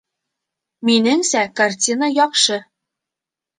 Минеңсә, картина яҡшы